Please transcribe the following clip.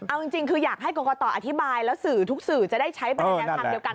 เอาจริงคืออยากให้กรกตอธิบายแล้วสื่อทุกสื่อจะได้ใช้ไปในแนวทางเดียวกัน